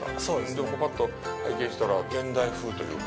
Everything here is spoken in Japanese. ちょっとパッと拝見したら、現代風というか。